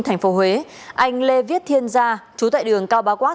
tp huế anh lê viết thiên gia trú tại đường cao bá quát